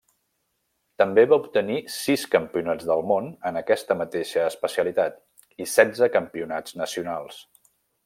També va obtenir sis Campionats de món en aquesta mateixa especialitat, i setze campionats nacionals.